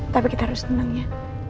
tapi kita harus tenang ya